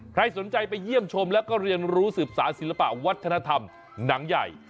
ใครสนใจไปเยี่ยมชมแล้วก็เรียนรู้สืบสารศิลปะวัฒนธรรมหนังใหญ่